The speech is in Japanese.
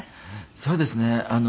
そうですね。